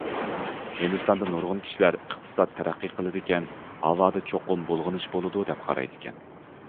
ھىندىستاندا نۇرغۇن كىشىلەر ئىقتىساد تەرەققىي قىلىدىكەن، ھاۋادا چوقۇم بۇلغىنىش بولىدۇ دەپ قارايدىكەن.